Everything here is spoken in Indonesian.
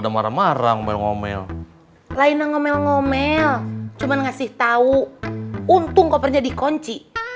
masih tau untung kopernya dikonci